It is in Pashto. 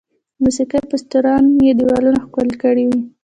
د موسیقي پوسټرونه یې دیوالونه ښکلي کړي وي.